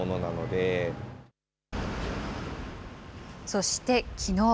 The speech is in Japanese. そしてきのう。